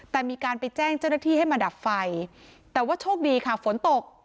แต่มีการไปแจ้งเจ้าหน้าที่ให้มาดับไฟแต่ว่าโชคดีค่ะฝนตก